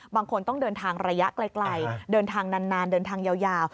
บางคนต้องเดินทางระยะไกลเดินทางนานเดินทางยาว